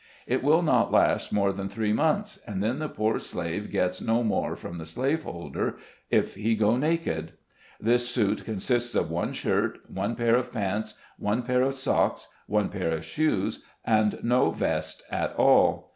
It will not last more than three months, and then the poor slave gets no more from the slave holder, if he go naked. This suit consists of one shirt, one pair of pants, one pair of socks, one pair of shoes, and no vest at all.